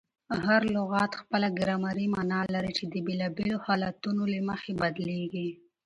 هر لغت خپله ګرامري مانا لري، چي د بېلابېلو حالتونو له مخه بدلېږي.